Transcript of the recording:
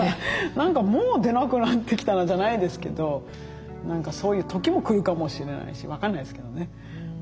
何かもう出なくなってきたなじゃないですけど何かそういう時も来るかもしれないし分かんないですけどね。